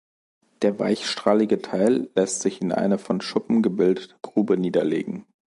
Der weichstrahlige Teil lässt sich in eine von Schuppen gebildete Grube niederlegen.